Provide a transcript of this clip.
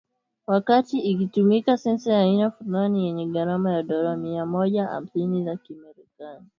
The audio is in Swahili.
wakati ikitumika sensa ya aina fulani yenye gharama ya dola mia moja hamsini za kimerekani